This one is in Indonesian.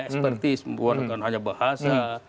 expertise bukan hanya bahasa